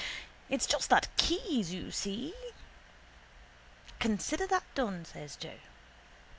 It's just that Keyes, you see. —Consider that done, says Joe.